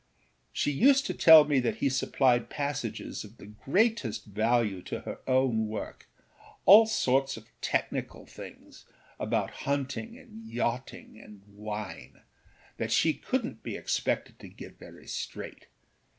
She used to tell me that he supplied passages of the greatest value to her own workâall sorts of technical things, about hunting and yachting and wineâthat she couldnât be expected to get very straight.